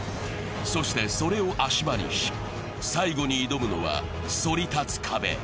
そして、それを足場にし、最後に挑むのはそり立つ壁。